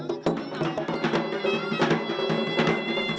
ketika mereka menang mereka akan menang